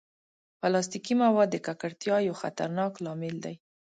پلاستيکي مواد د ککړتیا یو خطرناک لامل دي.